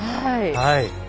はい。